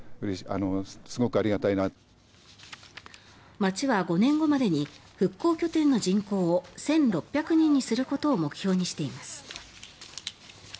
町は５年後までに復興拠点の人口を１６００人にすることを目標にしています。